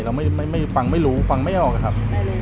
เราไม่ฟังไม่รู้ฟังไม่ออกอะครับ